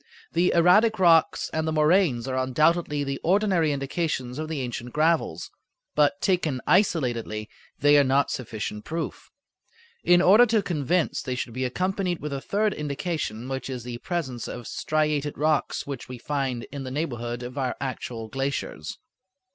The erratic rocks and the moraines are undoubtedly the ordinary indications of the ancient gravels, but, taken isolatedly, they are not sufficient proof. In order to convince they should be accompanied with a third indication, which is the presence of striated rocks which we find in the neighborhood of our actual glaciers.